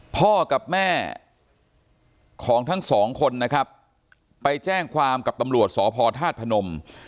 พ่อกับแม่ของทั้งสองคนนะครับไปแจ้งความกับตำรวจสพธาตุพนม